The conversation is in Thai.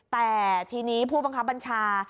แต่ทีนี้ผู้บังคับบัญชา